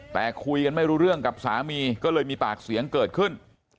แต่คุยกันไม่รู้เรื่องกับสามีก็เลยมีปากเสียงเกิดขึ้น